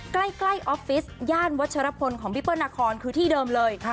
ใกล้ออฟฟิศย่านวัชรพลของพี่เปิ้ลนาคอนคือที่เดิมเลย